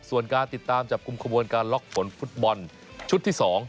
ส่วนการติดตามจับกลุ่มขบวนการล็อกผลฟุตบอลชุดที่๒